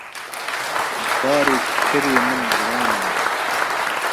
Barê kerê min giran e.